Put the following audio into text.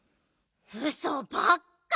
うそばっか！